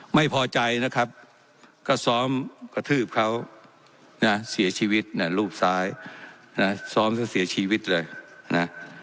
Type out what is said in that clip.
ไม่พอใจนะครับก็ซ้อมกระทืบเขานะเสียชีวิตเนี่ยรูปซ้ายนะซ้อมซะเสียชีวิตเลยนะ